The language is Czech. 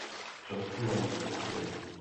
Často mají ostny.